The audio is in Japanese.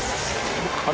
あれ？